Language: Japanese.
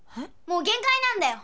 もう限界なんだよ